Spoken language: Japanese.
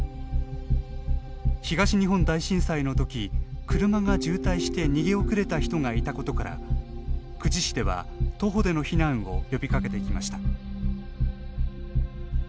東日本大震災のとき車が渋滞して逃げ遅れた人がいたことから久慈市では徒歩での避難を呼びかけてきました。